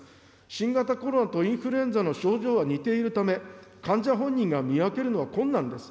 新型コロナとインフルエンザの症状が似ているため、患者本人が見分けるのは困難です。